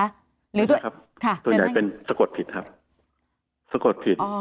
ส่วนใหญ่เป็นสกดผิดครับ